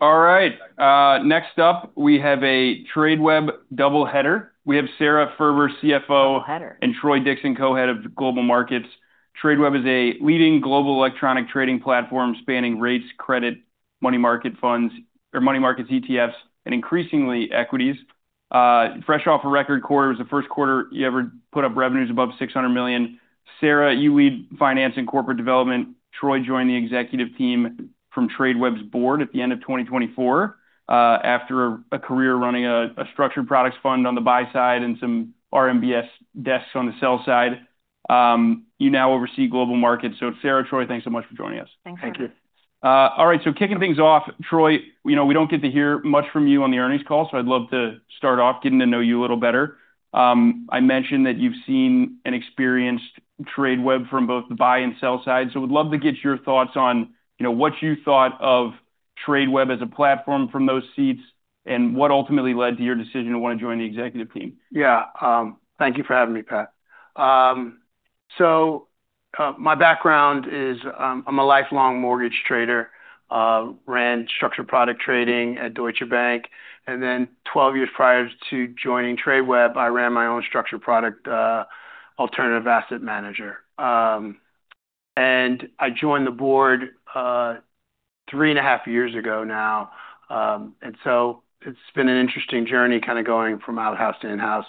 All right. Next up, we have a Tradeweb double header. We have Sara Furber, CFO and Troy Dixon, Co-Head of Global Markets. Tradeweb is a leading global electronic trading platform spanning rates, credit, money market funds, or money markets, ETFs, and increasingly, equities. Fresh off a record quarter, it was the first quarter you ever put up revenues above $600 million. Sara, you lead finance and corporate development. Troy joined the executive team from Tradeweb's board at the end of 2024, after a career running a structured products fund on the buy side and some RMBS desks on the sell side. You now oversee Global Markets. Sara, Troy, thanks so much for joining us. Thanks, Pat. Thank you. All right, kicking things off, Troy, we don't get to hear much from you on the earnings call, so I'd love to start off getting to know you a little better. I mentioned that you've seen and experienced Tradeweb from both the buy and sell side. Would love to get your thoughts on what you thought of Tradeweb as a platform from those seats, and what ultimately led to your decision to want to join the executive team. Yeah. Thank you for having me, Pat. My background is, I'm a lifelong mortgage trader. Ran structured product trading at Deutsche Bank, then 12 years prior to joining Tradeweb, I ran my own structured product, alternative asset manager. I joined the board 3.5 years ago now. It's been an interesting journey kind of going from outhouse to in-house.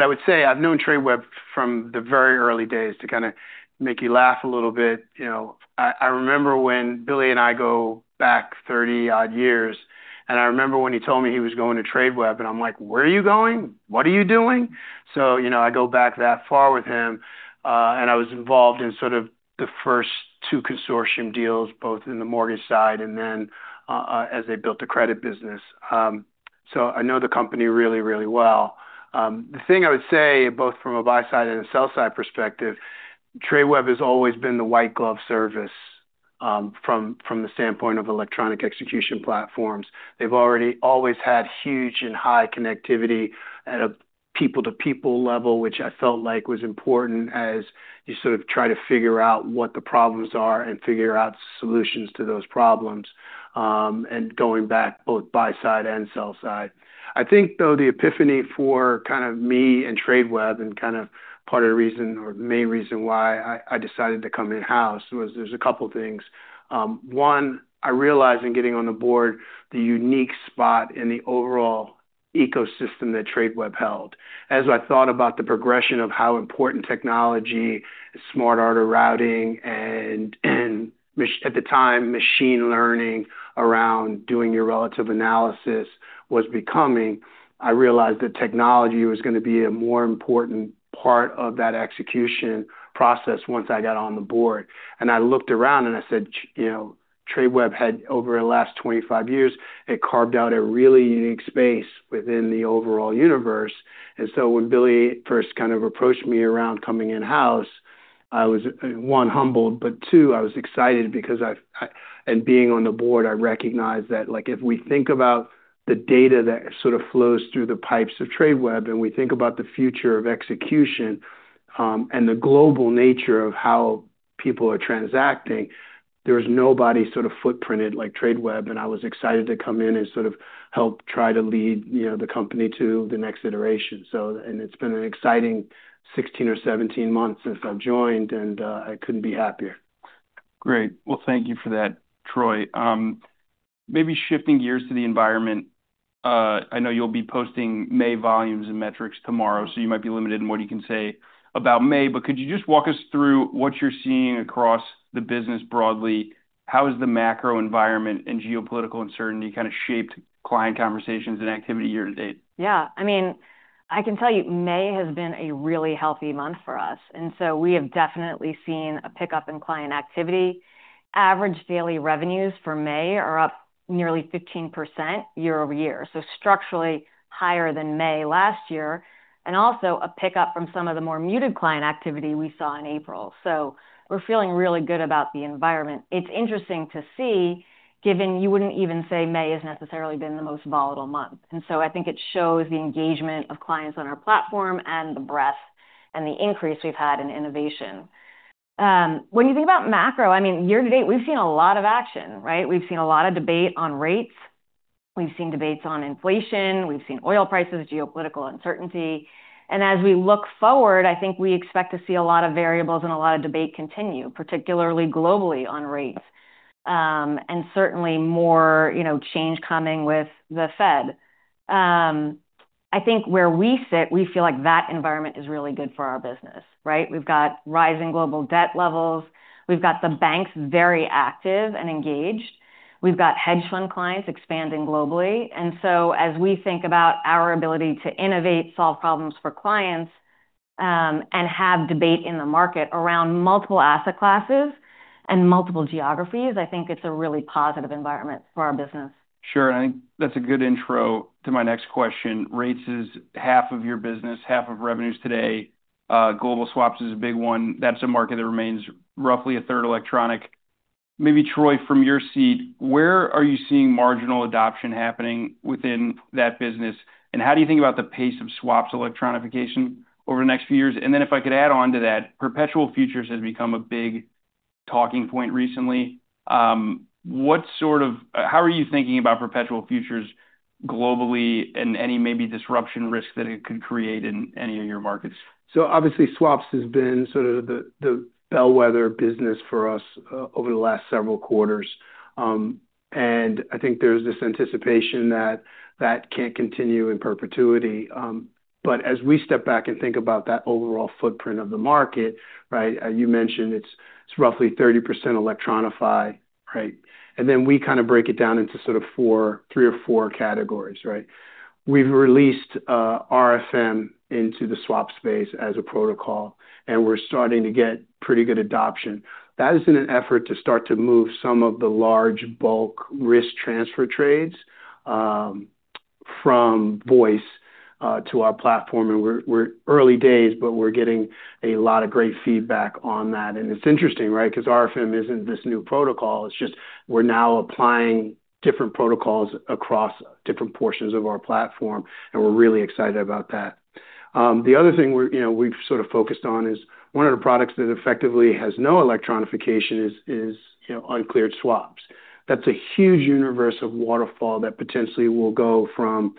I would say I've known Tradeweb from the very early days, to kind of make you laugh a little bit. I remember when Billy and I go back 30 odd years, and I remember when he told me he was going to Tradeweb, and I'm like, "Where are you going? What are you doing?" I go back that far with him. I was involved in sort of the first two consortium deals, both in the mortgage side and then as they built the credit business. I know the company really, really well. The thing I would say, both from a buy side and a sell side perspective, Tradeweb has always been the white glove service from the standpoint of electronic execution platforms. They've always had huge and high connectivity at a people-to-people level, which I felt like was important as you sort of try to figure out what the problems are and figure out solutions to those problems, and going back both buy side and sell side. I think, though, the epiphany for kind of me and Tradeweb, and kind of part of the reason, or the main reason why I decided to come in-house was there's a couple things. One, I realized in getting on the board the unique spot in the overall ecosystem that Tradeweb held. As I thought about the progression of how important technology, smart order routing, and at the time, machine learning around doing your relative analysis was becoming, I realized that technology was going to be a more important part of that execution process once I got on the board. I looked around and I said Tradeweb had, over the last 25 years, it carved out a really unique space within the overall universe. When Billy first kind of approached me around coming in-house, I was, one, humbled, but two, I was excited because being on the board, I recognized that if we think about the data that sort of flows through the pipes of Tradeweb, and we think about the future of execution, and the global nature of how people are transacting, there was nobody sort of footprinted like Tradeweb, and I was excited to come in and sort of help try to lead the company to the next iteration. It's been an exciting 16 or 17 months since I've joined, and I couldn't be happier. Great. Well, thank you for that, Troy. Maybe shifting gears to the environment. I know you'll be posting May volumes and metrics tomorrow, you might be limited in what you can say about May. Could you just walk us through what you're seeing across the business broadly? How has the macro environment and geopolitical uncertainty kind of shaped client conversations and activity year-to-date? Yeah. I can tell you, May has been a really healthy month for us. We have definitely seen a pickup in client activity. Average daily revenues for May are up nearly 15% year-over-year. Structurally higher than May last year, and also a pickup from some of the more muted client activity we saw in April. We're feeling really good about the environment. It's interesting to see, given you wouldn't even say May has necessarily been the most volatile month. I think it shows the engagement of clients on our platform and the breadth and the increase we've had in innovation. When you think about macro, year-to-date, we've seen a lot of action, right? We've seen a lot of debate on rates. We've seen debates on inflation. We've seen oil prices, geopolitical uncertainty. As we look forward, I think we expect to see a lot of variables and a lot of debate continue, particularly globally on rates. Certainly more change coming with the Fed. I think where we sit, we feel like that environment is really good for our business, right? We've got rising global debt levels. We've got the banks very active and engaged. We've got hedge fund clients expanding globally. As we think about our ability to innovate, solve problems for clients, and have debate in the market around multiple asset classes and multiple geographies, I think it's a really positive environment for our business. Sure, I think that's a good intro to my next question. Rates is half of your business, half of revenues today. Global swaps is a big one. That's a market that remains roughly a third electronic. Maybe Troy, from your seat, where are you seeing marginal adoption happening within that business? How do you think about the pace of swaps electronification over the next few years? If I could add on to that, perpetual futures has become a big talking point recently. How are you thinking about perpetual futures globally and any maybe disruption risk that it could create in any of your markets? Obviously, swaps has been sort of the bellwether business for us over the last several quarters. I think there's this anticipation that that can't continue in perpetuity. As we step back and think about that overall footprint of the market, right, as you mentioned, it's roughly 30% electronified, right? Then we kind of break it down into sort of three or four categories, right? We've released RFM into the swap space as a protocol, and we're starting to get pretty good adoption. That is in an effort to start to move some of the large bulk risk transfer trades from voice to our platform, and we're early days, but we're getting a lot of great feedback on that. It's interesting, right? RFM isn't this new protocol, it's just we're now applying different protocols across different portions of our platform, and we're really excited about that. The other thing we've sort of focused on is one of the products that effectively has no electronification is uncleared swaps. That's a huge universe of waterfall that potentially will go from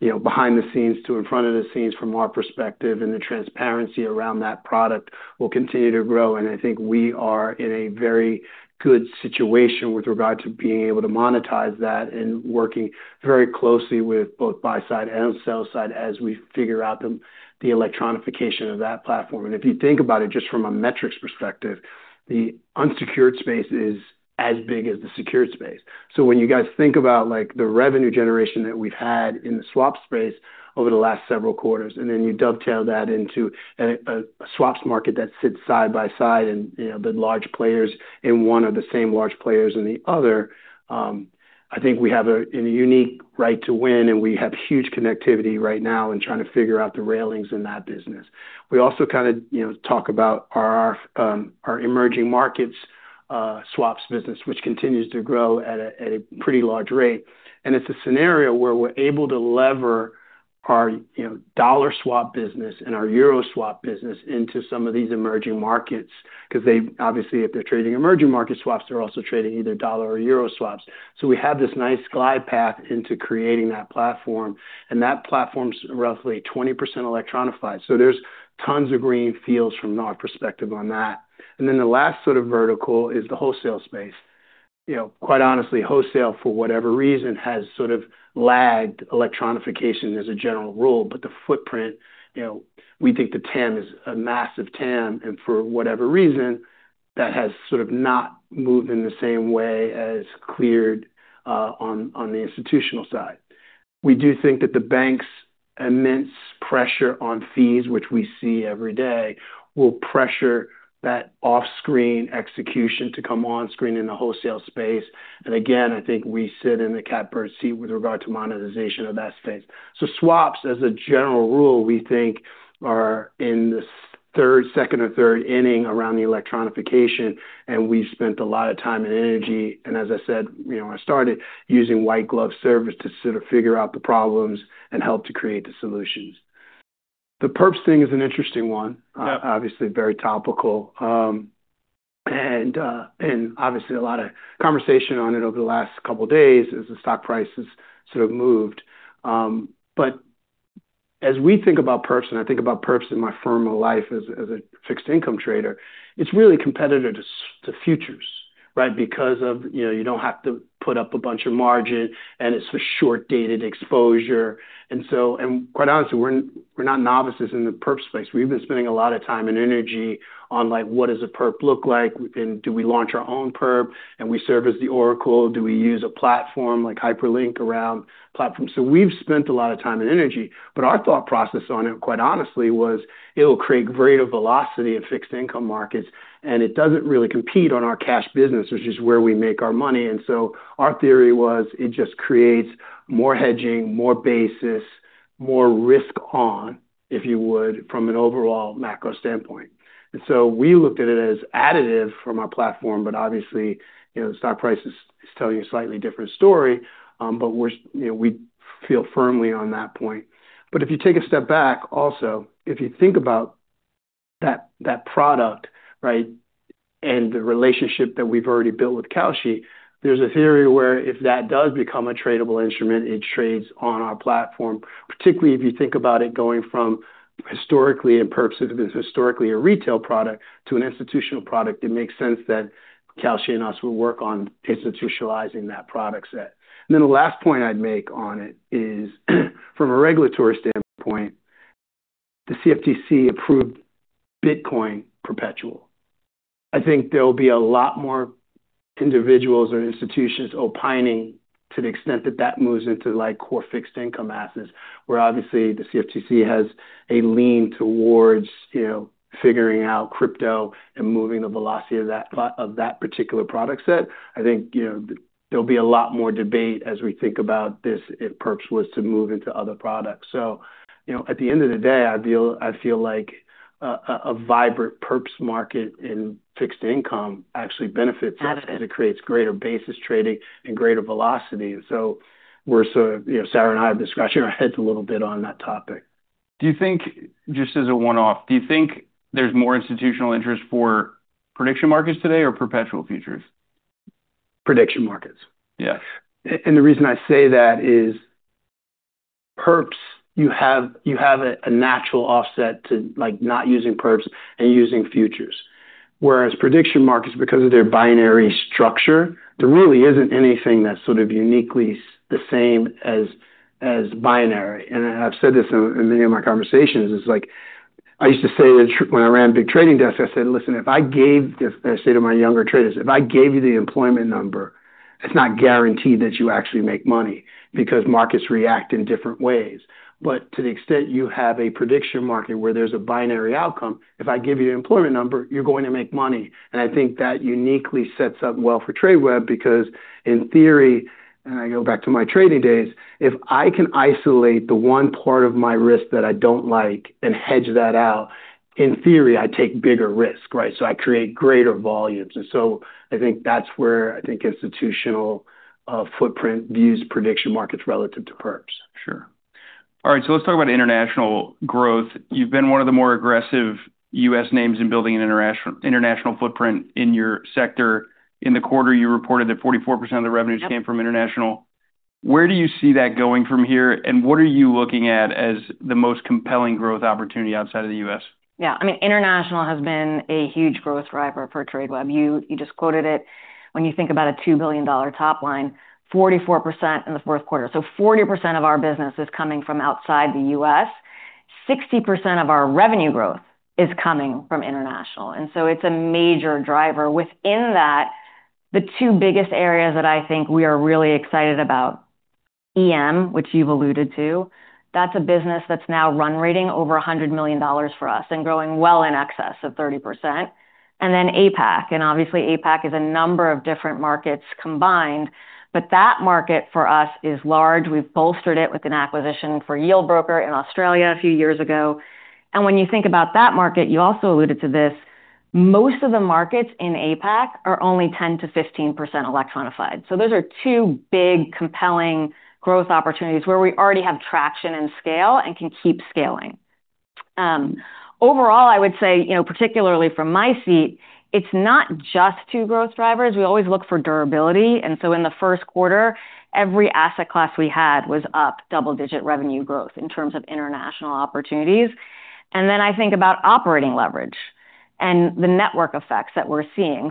behind the scenes to in front of the scenes from our perspective, and the transparency around that product will continue to grow. I think we are in a very good situation with regard to being able to monetize that and working very closely with both buy-side and sell-side as we figure out the electronification of that platform. If you think about it just from a metrics perspective, the unsecured space is as big as the secured space. When you guys think about the revenue generation that we've had in the swap space over the last several quarters, and then you dovetail that into a swaps market that sits side by side and the large players in one are the same large players in the other, I think we have a unique right to win, and we have huge connectivity right now in trying to figure out the railings in that business. We also kind of talk about our emerging markets swaps business, which continues to grow at a pretty large rate. It's a scenario where we're able to lever our dollar swap business and our euro swap business into some of these emerging markets because they, obviously, if they're trading emerging market swaps, they're also trading either dollar or euro swaps. We have this nice glide path into creating that platform, and that platform's roughly 20% electronified. There's tons of green fields from our perspective on that. The last sort of vertical is the wholesale space. Quite honestly, wholesale, for whatever reason, has sort of lagged electronification as a general rule, but the footprint, we think the TAM is a massive TAM, and for whatever reason, that has sort of not moved in the same way as cleared on the institutional side. We do think that the banks' immense pressure on fees, which we see every day, will pressure that off-screen execution to come on-screen in the wholesale space. Again, I think we sit in the catbird seat with regard to monetization of that space. Swaps, as a general rule, we think are in the second or third inning around the electronification, and we've spent a lot of time and energy, and as I said, when I started, using white glove service to sort of figure out the problems and help to create the solutions. The perps thing is an interesting one. Yeah. Obviously, very topical. Obviously, a lot of conversation on it over the last couple of days as the stock price has sort of moved. As we think about perps, and I think about perps in my former life as a fixed-income trader, it's really competitive to futures, right? Because of you don't have to put up a bunch of margin, and it's a short-dated exposure. Quite honestly, we're not novices in the perps space. We've been spending a lot of time and energy on, what does a perp look like? Do we launch our own perp and we serve as the oracle? Do we use a platform like Hyperliquid or our own platform? We've spent a lot of time and energy, but our thought process on it, quite honestly, was it'll create greater velocity in fixed-income markets, and it doesn't really compete on our cash business, which is where we make our money. Our theory was it just creates more hedging, more basis, more risk on, if you would, from an overall macro standpoint. We looked at it as additive from our platform, but obviously, the stock price is telling a slightly different story, but we feel firmly on that point. If you take a step back also, if you think about that product, right, and the relationship that we've already built with Kalshi, there's a theory where if that does become a tradable instrument, it trades on our platform. Particularly if you think about it going from historically, and perps is historically a retail product to an institutional product, it makes sense that Kalshi and us will work on institutionalizing that product set. The last point I'd make on it is from a regulatory standpoint, the CFTC approved Bitcoin perpetual. I think there will be a lot more individuals or institutions opining to the extent that that moves into core fixed-income assets, where obviously the CFTC has a lean towards. Figuring out crypto and moving the velocity of that particular product set. I think there'll be a lot more debate as we think about this if perps was to move into other products. At the end of the day, I feel like a vibrant perps market in fixed income actually benefits us as it creates greater basis trading and greater velocity. Sara and I have been scratching our heads a little bit on that topic. Just as a one-off, do you think there's more institutional interest for prediction markets today or perpetual futures? Prediction markets. Yes. The reason I say that is perps, you have a natural offset to not using perps and using futures. Whereas prediction markets, because of their binary structure, there really isn't anything that's uniquely the same as binary. I've said this in many of my conversations, is like, I used to say when I ran big trading desk, I said to my younger traders, "If I gave you the employment number, it's not guaranteed that you actually make money because markets react in different ways." To the extent you have a prediction market where there's a binary outcome, if I give you an employment number, you're going to make money. I think that uniquely sets up well for Tradeweb because in theory, and I go back to my trading days, if I can isolate the one part of my risk that I don't like and hedge that out, in theory, I take bigger risk, right? I create greater volumes. I think that's where I think institutional footprint views prediction markets relative to perps. Sure. All right, let's talk about international growth. You've been one of the more aggressive U.S. names in building an international footprint in your sector. In the quarter, you reported that 44% of the revenues came from international. Where do you see that going from here, and what are you looking at as the most compelling growth opportunity outside of the U.S.? Yeah, international has been a huge growth driver for Tradeweb. You just quoted it. When you think about a $2 billion top line, 44% in the first quarter. 40% of our business is coming from outside the U.S., 60% of our revenue growth is coming from international. It's a major driver. Within that, the two biggest areas that I think we are really excited about, EM, which you've alluded to. That's a business that's now run rating over $100 million for us and growing well in excess of 30%. Then APAC. Obviously, APAC is a number of different markets combined, but that market for us is large. We've bolstered it with an acquisition for Yieldbroker in Australia a few years ago. When you think about that market, you also alluded to this, most of the markets in APAC are only 10%-15% electronified. Those are two big, compelling growth opportunities where we already have traction and scale and can keep scaling. Overall, I would say, particularly from my seat, it's not just two growth drivers. We always look for durability. In the first quarter, every asset class we had was up double-digit revenue growth in terms of international opportunities. I think about operating leverage and the network effects that we're seeing.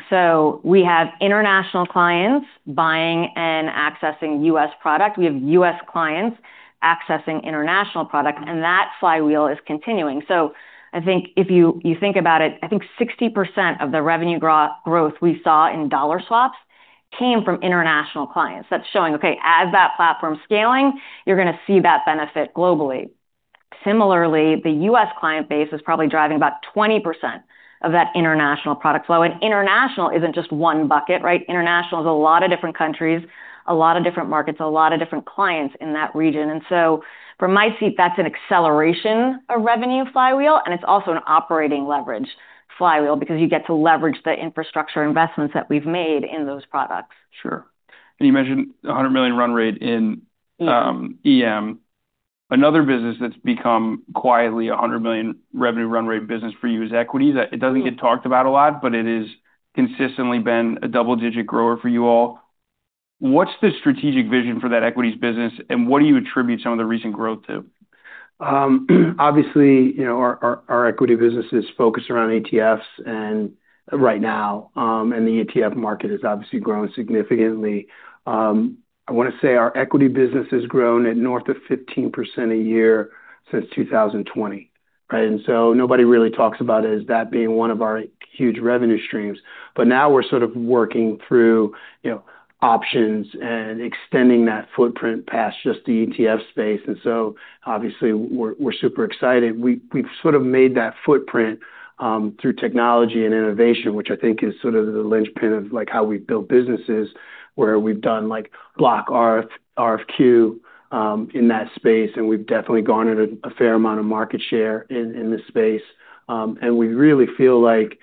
We have international clients buying and accessing U.S. product. We have U.S. clients accessing international product, and that flywheel is continuing. I think if you think about it, I think 60% of the revenue growth we saw in dollar swaps came from international clients. That's showing, okay, as that platform's scaling, you're going to see that benefit globally. Similarly, the U.S. client base is probably driving about 20% of that international product flow. International isn't just one bucket, right? International is a lot of different countries, a lot of different markets, a lot of different clients in that region. From my seat, that's an acceleration of revenue flywheel, and it's also an operating leverage flywheel because you get to leverage the infrastructure investments that we've made in those products. Sure. You mentioned $100 million run rate in EM. Another business that's become quietly $100 million revenue run rate business for you is equities. It doesn't get talked about a lot, it has consistently been a double-digit grower for you all. What's the strategic vision for that equities business, what do you attribute some of the recent growth to? Obviously, our equity business is focused around ETFs right now. The ETF market has obviously grown significantly. I want to say our equity business has grown at north of 15% a year since 2020, right? Nobody really talks about it as that being one of our huge revenue streams. Now we're sort of working through options and extending that footprint past just the ETF space. Obviously we're super excited. We've sort of made that footprint through technology and innovation, which I think is sort of the linchpin of how we build businesses, where we've done block RFQ in that space, and we've definitely garnered a fair amount of market share in this space. We really feel like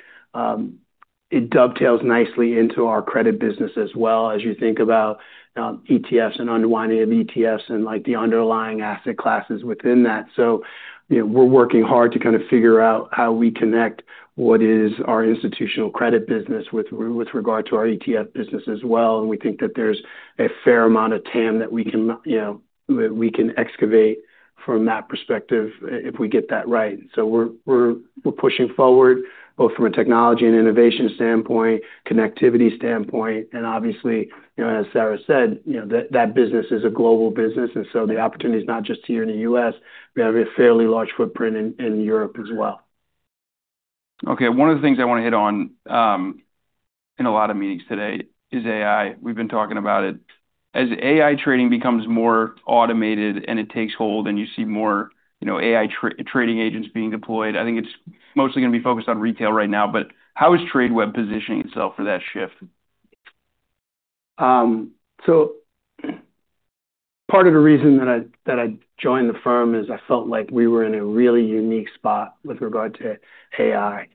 it dovetails nicely into our credit business as well as you think about ETFs and unwinding of ETFs and the underlying asset classes within that. We're working hard to kind of figure out how we connect what is our institutional credit business with regard to our ETF business as well, and we think that there's a fair amount of TAM that we can excavate from that perspective if we get that right. We're pushing forward, both from a technology and innovation standpoint, connectivity standpoint, and obviously, as Sara said, that business is a global business, and so the opportunity's not just here in the U.S. We have a fairly large footprint in Europe as well. Okay. One of the things I want to hit on in a lot of meetings today is AI. We've been talking about it. As AI trading becomes more automated and it takes hold and you see more AI trading agents being deployed, I think it's mostly going to be focused on retail right now, but how is Tradeweb positioning itself for that shift? Part of the reason that I joined the firm is I felt like we were in a really unique spot with regard to AI.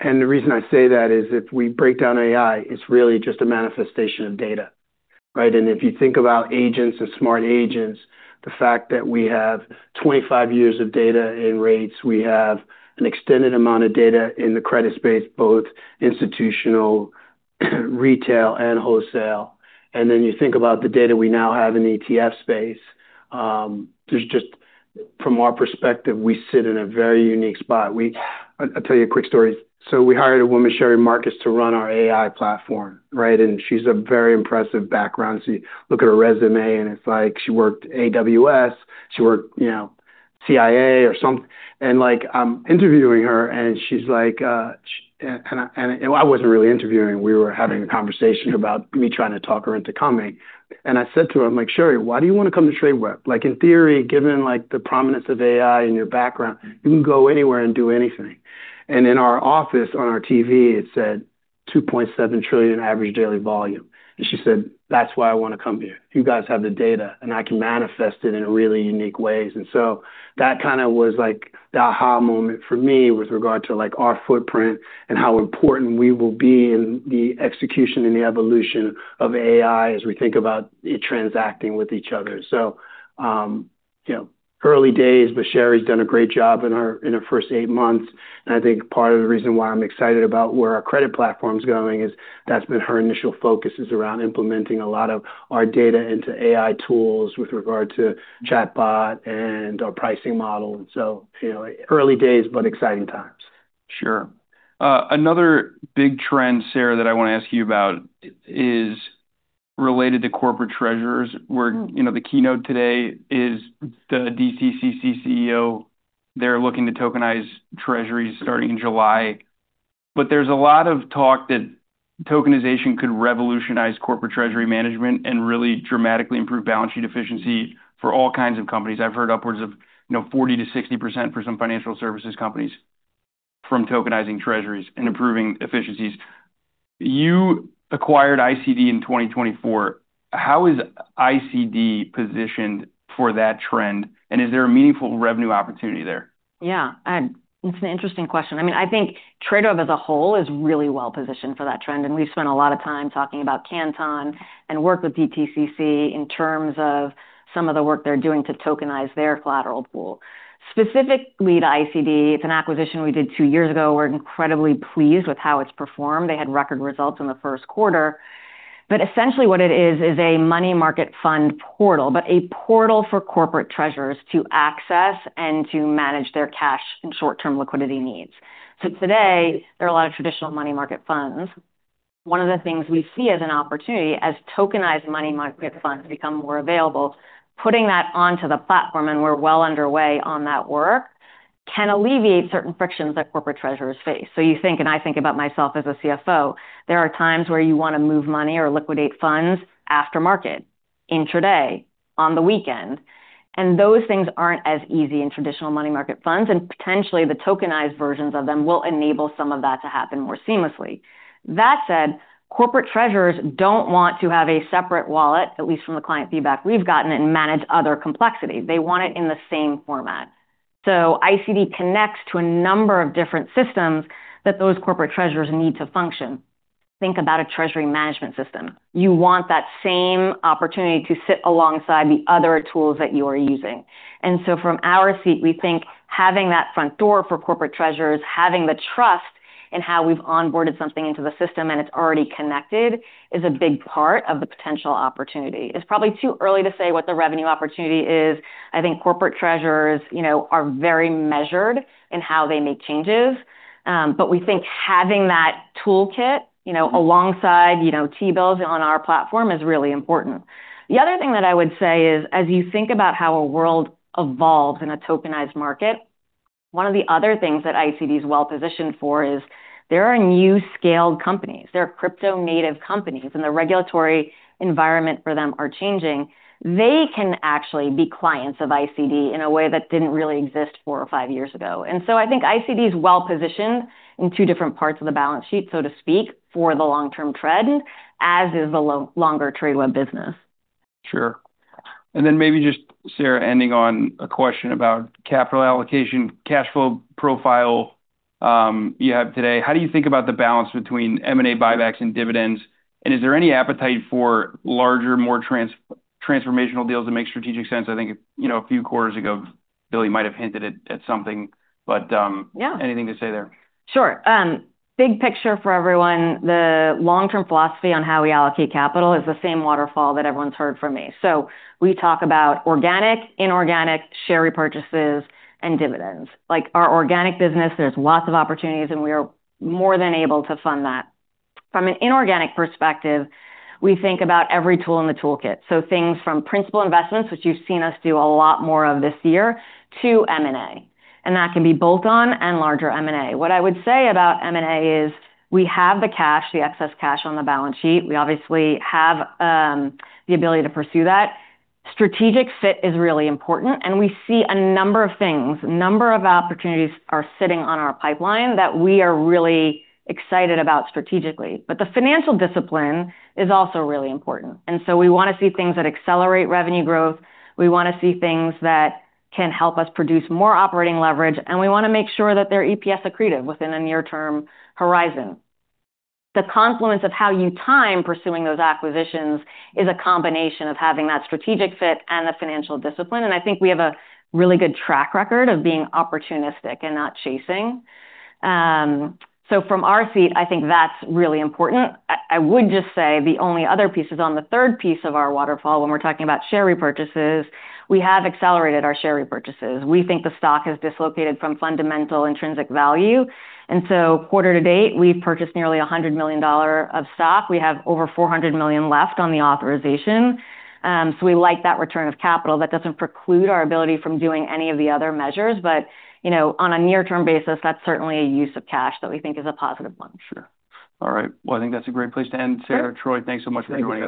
The reason I say that is if we break down AI, it's really just a manifestation of data, right? If you think about agents and smart agents, the fact that we have 25 years of data in rates, we have an extended amount of data in the credit space, both institutional, retail, and wholesale. You think about the data we now have in the ETF space. From our perspective, we sit in a very unique spot. I'll tell you a quick story. We hired a woman, Sherry Marcus, to run our AI platform, right? She's a very impressive background. You look at her resume and it's like she worked AWS, she worked CIA or something. I'm interviewing her, and she's like I wasn't really interviewing. We were having a conversation about me trying to talk her into coming. I said to her, I'm like, "Sherry, why do you want to come to Tradeweb? Like, in theory, given the prominence of AI and your background, you can go anywhere and do anything." In our office, on our TV, it said $2.7 trillion average daily volume. She said, "That's why I want to come here. You guys have the data, and I can manifest it in really unique ways." That kind of was like the aha moment for me with regard to our footprint and how important we will be in the execution and the evolution of AI as we think about it transacting with each other. Early days, but Sherry's done a great job in her first eight months, and I think part of the reason why I'm excited about where our credit platform's going is that's been her initial focus, is around implementing a lot of our data into AI tools with regard to chatbot and our pricing model. Early days, but exciting times. Sure. Another big trend, Sara, that I want to ask you about is related to corporate treasurers, where the keynote today is the DTCC CEO. They're looking to tokenize treasuries starting in July. There's a lot of talk that tokenization could revolutionize corporate treasury management and really dramatically improve balance sheet efficiency for all kinds of companies. I've heard upwards of 40%-60% for some financial services companies from tokenizing treasuries and improving efficiencies. You acquired ICD in 2024. How is ICD positioned for that trend, and is there a meaningful revenue opportunity there? Yeah, it's an interesting question. I think Tradeweb as a whole is really well-positioned for that trend, and we've spent a lot of time talking about Canton and work with DTCC in terms of some of the work they're doing to tokenize their collateral pool. Specifically to ICD, it's an acquisition we did two years ago. We're incredibly pleased with how it's performed. They had record results in the first quarter. Essentially what it is is a money market fund portal, but a portal for corporate treasurers to access and to manage their cash and short-term liquidity needs. Today, there are a lot of traditional money market funds. One of the things we see as an opportunity, as tokenized money market funds become more available, putting that onto the platform, and we're well underway on that work, can alleviate certain frictions that corporate treasurers face. You think, and I think about myself as a CFO, there are times where you want to move money or liquidate funds after market, intraday, on the weekend, and those things aren't as easy in traditional money market funds, and potentially the tokenized versions of them will enable some of that to happen more seamlessly. That said, corporate treasurers don't want to have a separate wallet, at least from the client feedback we've gotten, and manage other complexity. They want it in the same format. ICD connects to a number of different systems that those corporate treasurers need to function. Think about a treasury management system. You want that same opportunity to sit alongside the other tools that you are using. From our seat, we think having that front door for corporate treasurers, having the trust in how we've onboarded something into the system and it's already connected, is a big part of the potential opportunity. It's probably too early to say what the revenue opportunity is. I think corporate treasurers are very measured in how they make changes. We think having that toolkit alongside T-bills on our platform is really important. The other thing that I would say is as you think about how a world evolves in a tokenized market, one of the other things that ICD's well-positioned for is there are new scaled companies, there are crypto native companies, and the regulatory environment for them are changing. They can actually be clients of ICD in a way that didn't really exist four or five years ago. I think ICD is well-positioned in two different parts of the balance sheet, so to speak, for the long-term trend, as is the longer Tradeweb business. Sure. Maybe just, Sara, ending on a question about capital allocation, cash flow profile you have today. How do you think about the balance between M&A buybacks and dividends, and is there any appetite for larger, more transformational deals that make strategic sense? I think a few quarters ago, Billy might have hinted at something. Anything to say there? Sure. Big picture for everyone, the long-term philosophy on how we allocate capital is the same waterfall that everyone's heard from me. We talk about organic, inorganic, share repurchases, and dividends. Like our organic business, there's lots of opportunities, and we are more than able to fund that. From an inorganic perspective, we think about every tool in the toolkit. Things from principal investments, which you've seen us do a lot more of this year, to M&A. That can be bolt-on and larger M&A. What I would say about M&A is we have the cash, the excess cash on the balance sheet. We obviously have the ability to pursue that. Strategic fit is really important, and we see a number of things. A number of opportunities are sitting on our pipeline that we are really excited about strategically. The financial discipline is also really important. We want to see things that accelerate revenue growth. We want to see things that can help us produce more operating leverage, and we want to make sure that they're EPS accretive within a near-term horizon. The confluence of how you time pursuing those acquisitions is a combination of having that strategic fit and the financial discipline, and I think we have a really good track record of being opportunistic and not chasing. From our seat, I think that's really important. I would just say the only other piece is on the third piece of our waterfall when we're talking about share repurchases, we have accelerated our share repurchases. We think the stock has dislocated from fundamental intrinsic value. Quarter to date, we've purchased nearly $100 million of stock. We have over $400 million left on the authorization. We like that return of capital. That doesn't preclude our ability from doing any of the other measures. On a near-term basis, that's certainly a use of cash that we think is a positive one. Sure. All right. Well, I think that's a great place to end, Sara. Troy, thanks so much for joining.